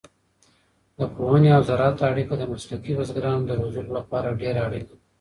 د پوهنې او زراعت اړیکه د مسلکي بزګرانو د روزلو لپاره ډېره اړینه ده.